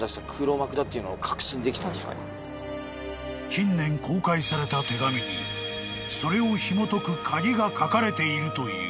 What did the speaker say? ［近年公開された手紙にそれをひもとく鍵が書かれているという］